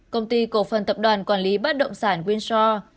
công ty cổ phần tập đoàn quản lý bất động sản winster